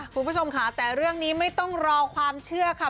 คุณผู้ชมค่ะแต่เรื่องนี้ไม่ต้องรอความเชื่อค่ะ